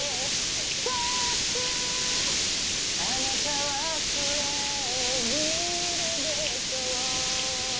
「あなたはそれを見るでしょう」